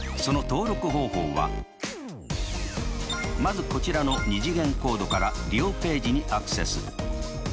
その登録方法はまずこちらの２次元コードから利用ページにアクセス。